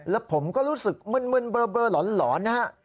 แล้วผมก็รู้สึกมึนเบลอหลอนนะฮะ